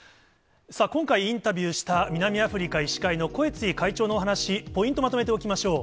今回、インタビューした南アフリカ医師会のコエツィ会長のお話、ポイントまとめておきましょう。